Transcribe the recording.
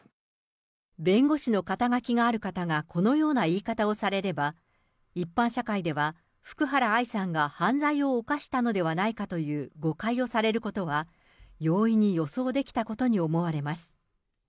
弁護士の肩書がある方がこのような言い方をされれば、一般社会では福原愛さんが犯罪を犯したのではないかという誤解をされることは、容易に予想できたことに思われます。